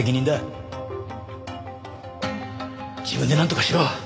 自分でなんとかしろ。